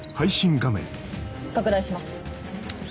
拡大します。